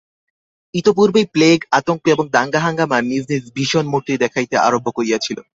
ইতঃপূর্বেই plague, আতঙ্ক এবং দাঙ্গা-হাঙ্গামা নিজ নিজ ভীষণ মূর্তি দেখাইতে আরম্ভ করিয়াছিল।